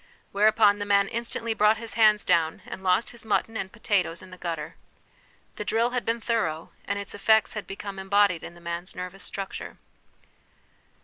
' whereupon the man instantly brought his hands down, and lost his mutton and potatoes in the gutter. The drill had been thorough, and its effects had become embodied in the man's nervous structure.